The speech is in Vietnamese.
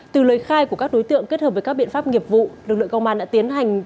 từ lời khai của các đối tượng kết hợp với các biện pháp nghiệp vụ lực lượng công an đã tiến hành